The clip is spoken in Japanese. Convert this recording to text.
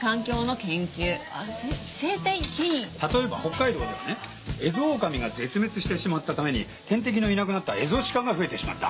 例えば北海道ではねエゾオオカミが絶滅してしまったために天敵のいなくなったエゾシカが増えてしまった。